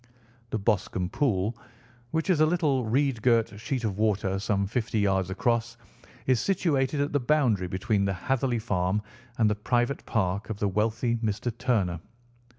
The Boscombe Pool, which is a little reed girt sheet of water some fifty yards across, is situated at the boundary between the Hatherley Farm and the private park of the wealthy Mr. Turner.